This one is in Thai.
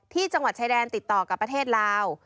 ที่จังหวัดชายแดนติดต่อกับประเทศลาว